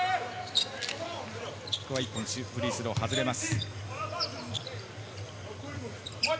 １本フリースロー外れます。